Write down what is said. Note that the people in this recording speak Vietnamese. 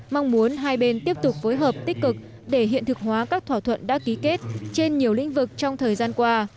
mong muốn hai bên tiếp tục phối hợp tích cực để hiện thực hóa các thỏa thuận đã ký kết trên nhiều lĩnh vực trong thời gian qua